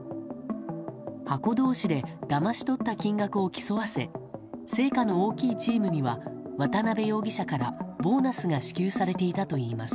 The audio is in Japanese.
箱同士でだまし取った金額を競わせ成果の大きいチームには渡辺容疑者からボーナスが支給されていたといいます。